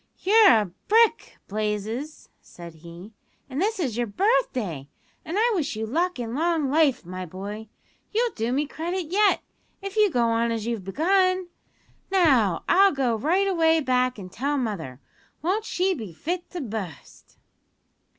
"You're a brick, Blazes," said he, "and this is your birthday, an' I wish you luck an' long life, my boy. You'll do me credit yet, if you go on as you've begun. Now, I'll go right away back an' tell mother. Won't she be fit to bu'st?"